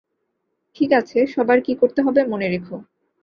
ঠিক আছে, সবার কি করতে হবে মনে রেখো!